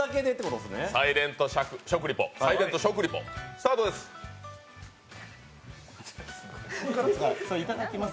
サイレント食リポスタートです。